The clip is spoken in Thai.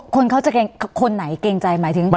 คนเขาจะเกรงคนไหนเกรงใจหมายถึง